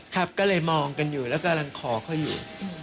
ครับก็เลยมองกันอยู่แล้วกำลังขอเขาอยู่